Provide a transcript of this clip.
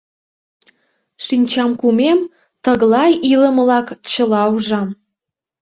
Шинчам кумем — тыглай илымылак чыла ужам.